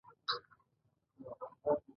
د ټیټاقې جاوله ژوول خوند کوي